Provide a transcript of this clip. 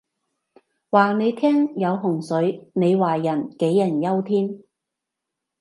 話你聽有洪水，你話人杞人憂天